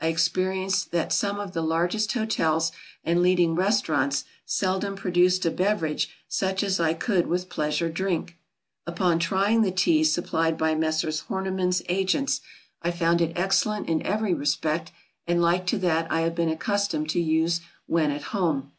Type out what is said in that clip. I experienced that some of the largest hotels and leading restaurants seldom produced a beverage such as I could with pleasure drink. Upon trying the Tea supplied by Messrs. Horniman's Agents, I found it excellent in every respect, and like to that I have been accustomed to use when at home.